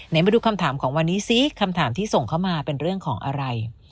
มาดูคำถามของวันนี้ซิคำถามที่ส่งเข้ามาเป็นเรื่องของอะไร